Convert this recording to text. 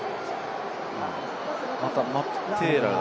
またマテーラが。